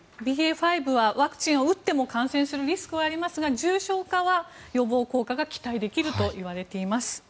ＢＡ．５はワクチンを打っても感染するリスクはありますが重症化は予防できる効果が期待できるといわれています。